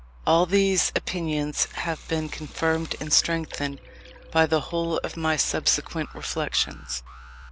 All these opinions have been confirmed and strengthened by the whole of my subsequent reflections.